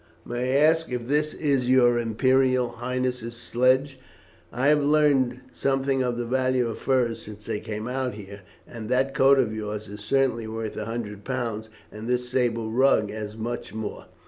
"May I ask if this is your Imperial Highness's sledge. I have learned something of the value of furs since I came out here, and that coat of yours is certainly worth a hundred pounds, and this sable rug as much more."